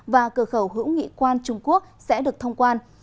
và cửa khẩu hữu nghị quan trung quốc sẽ được thông quan